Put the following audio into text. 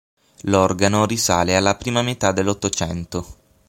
L'organo risale alla prima metà dell'Ottocento.